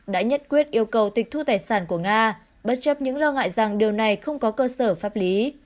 đã nhất quyết yêu cầu tịch thu tài sản của nga bất chấp những lo ngại rằng điều này không có cơ sở pháp lý